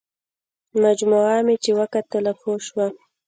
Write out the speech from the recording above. مجموعه مې چې وکتله پوه شوم.